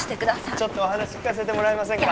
ちょっとお話聞かせてもらえませんか？